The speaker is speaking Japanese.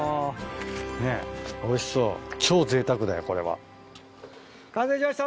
ねっおいしそう超ぜいたくだよこれは。完成しました。